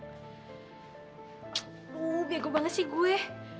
aduh jago banget sih gue